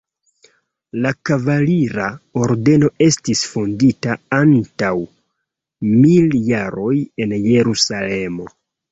La kavalira ordeno estis fondita antaŭ mil jaroj en Jerusalemo.